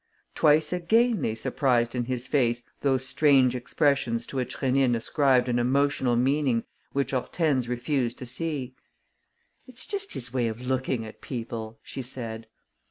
Twice again they surprised in his face those strange expressions to which Rénine ascribed an emotional meaning which Hortense refused to see: "It's just his way of looking at people," she said.